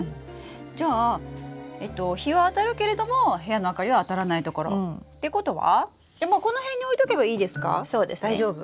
じゃあ日はあたるけれども部屋の明かりはあたらない所ってことはこの辺に置いとけばいいですか？大丈夫？